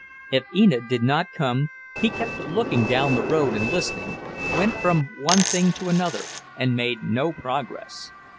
If Enid did not come, he kept looking down the road and listening, went from one thing to another and made no progress.